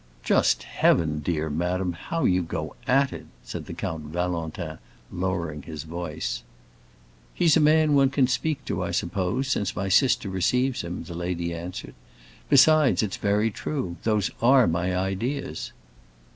"Just Heaven, dear madam, how you go at it," said the Count Valentin, lowering his voice. "He's a man one can speak to, I suppose, since my sister receives him," the lady answered. "Besides, it's very true; those are my ideas."